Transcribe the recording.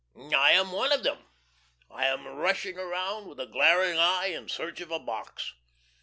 I am one of them. I am rushing around with a glaring eye in search of a box.